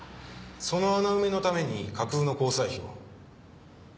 その穴埋めのために架空の交際費を？